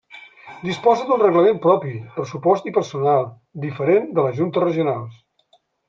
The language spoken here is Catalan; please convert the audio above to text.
Disposa d'un reglament propi, pressupost i personal, diferent de les juntes regionals.